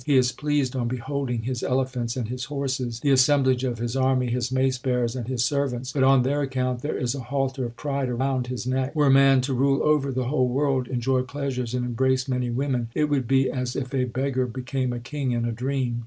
He is pleased on beholding his elephants and his horses, The assemblage of his army, his mace bearers, and his servants ; HYMNS OF GURU ARJAN 131 But on their account, there is a halter of pride round his neck. Were man to rule over the whole world, Enjoy pleasures and embrace many women, It would be as if a beggar became a king in a dream.